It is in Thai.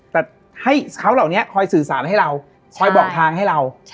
แต่ให้เขาเหล่านี้คอยสื่อสารให้เราคอยบอกทางให้เรา